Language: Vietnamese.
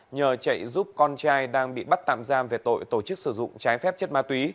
nhờ chạy giúp con trai đang bị bắt tạm giam về tội tổ chức sử dụng trái phép chất ma túy